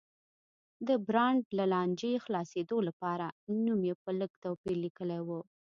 د برانډ له لانجې خلاصېدو لپاره نوم یې په لږ توپیر لیکلی و.